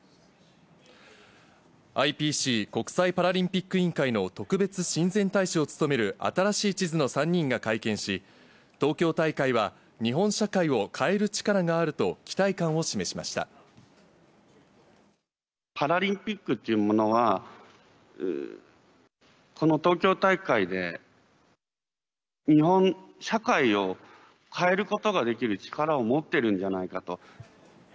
ＩＰＣ・国際パラリンピック委員会の特別親善大使を務める、新しい地図の３人が会見し、東京大会は、日本社会を変える力パラリンピックというものは、この東京大会で、日本社会を変えることができる力を持ってるんじゃないかと。